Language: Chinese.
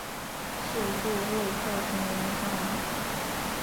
事故未造成人员伤亡。